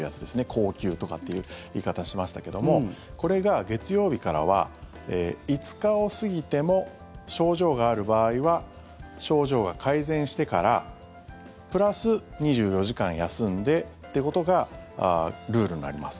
公休とかっていう言い方しましたけどもこれが月曜日からは５日を過ぎても症状がある場合は症状が改善してからプラス２４時間休んでってことがルールになります。